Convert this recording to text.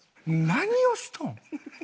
何をしとん？